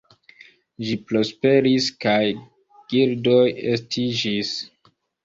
Ĝi prosperis, kaj gildoj estiĝis.